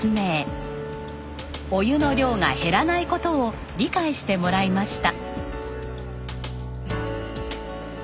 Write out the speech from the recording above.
お湯の量が減らない事を理解してもらいました。